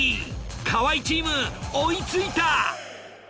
河合チーム追いついた！